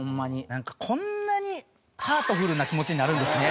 なんかこんなにハートフルな気持ちになるんですね。